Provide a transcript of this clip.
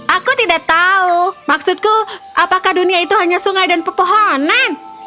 aku tidak tahu maksudku apakah dunia itu hanya sungai dan pepohonan